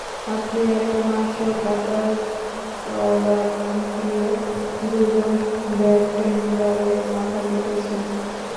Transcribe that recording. আপনি একটা মাংস কাটার করাত দিয়ে দুইজন বারটেন্ডারের মাথা কেটেছেন।